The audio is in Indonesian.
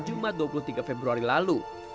jumat dua puluh tiga februari lalu